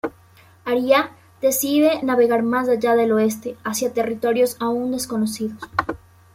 Arya decide navegar más allá del Oeste hacia territorios aún desconocidos.